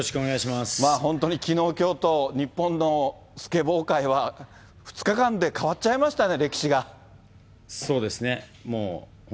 本当にきのう、きょうと日本のスケボー界は２日間で変わっちゃいましたね、歴史そうですね。